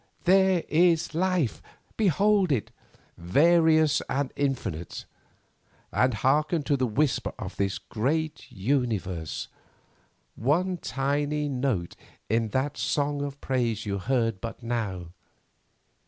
There is life, behold it, various and infinite. And hearken to the whisper of this great universe, one tiny note in that song of praise you heard but now.